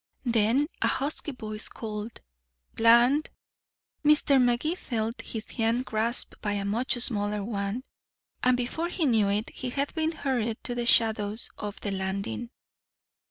Then a husky voice called "Bland". Mr. Magee felt his hand grasped by a much smaller one, and before he knew it he had been hurried to the shadows of the landing.